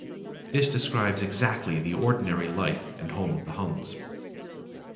This describes exactly the ordinary life and home of the Huns.